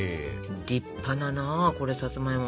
立派だなこれさつまいも。